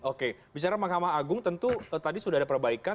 oke bicara mahkamah agung tentu tadi sudah ada perbaikan